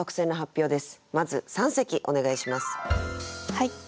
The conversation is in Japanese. はい。